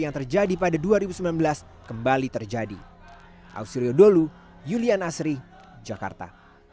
yang terjadi pada dua ribu sembilan belas kembali terjadi ausriodolu yulian asri jakarta